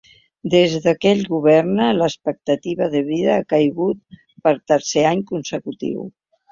Des que ell governa, l’expectativa de vida ha caigut per tercer any consecutiu.